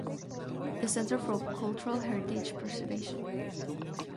The Centre for Cultural Heritage Preservation.